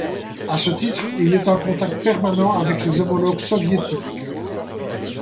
À ce titre, il était en contact permanent avec ses homologues soviétiques.